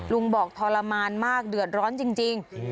ลุงบอกทรมานมากเดือดร้อนจริง